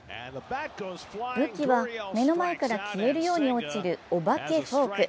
武器は目の前から消えるように落ちるお化けフォーク。